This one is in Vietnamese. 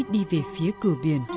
đi về phía cửa biển